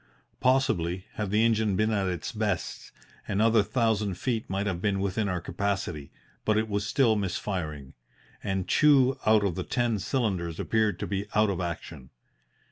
Possibly, had the engine been at its best, another thousand feet might have been within our capacity, but it was still missfiring, and two out of the ten cylinders appeared to be out of action.